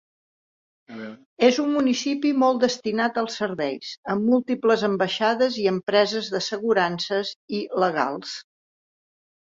És un municipi molt destinat als serveis, amb múltiples ambaixades i empreses d'assegurances i legals.